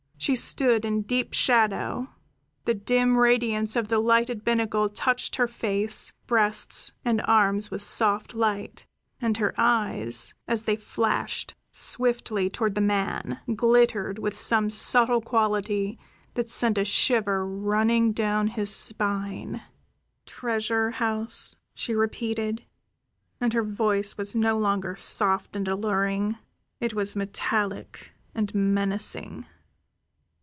She stood in deep shadow; the dim radiance from the lighted binnacle touched her face, breast, and arms with soft light, and her eyes, as they flashed swiftly toward the man, glittered with some subtle quality that sent a shiver running down his spine. "Treasure house?" she repeated, and her voice was no longer soft and alluring; it was metallic and menacing.